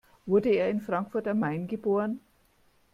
Wurde er in Frankfurt am Main geboren?